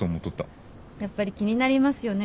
やっぱり気になりますよね